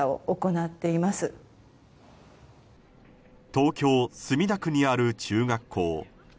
東京・墨田区にある中学校。